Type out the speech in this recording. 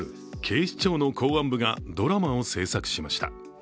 警視庁の公安部がドラマを制作しました。